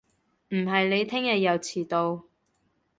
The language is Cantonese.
唔係你聽日又遲到